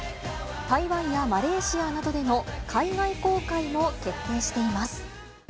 台湾やマレーシアなどでの海外公開も決定しています。